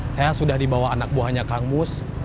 saya sudah dibawa anak buahnya kang mus